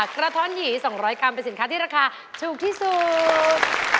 กระท้อนหยี๒๐๐กรัมเป็นสินค้าที่ราคาถูกที่สุด